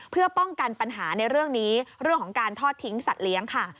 เพื่อป้องกันปัญหาในเรื่องนี้เรื่องของการทอดทิ้งสัตว์ค่ะ